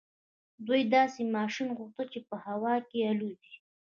دوی داسې ماشين غوښت چې په هوا کې الوځي.